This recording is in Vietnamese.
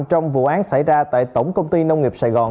trong vụ án xảy ra tại tổng công ty nông nghiệp sài gòn